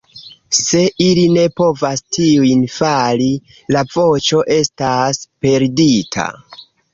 Se ili ne povas tiun fari, la voĉo estas perdita.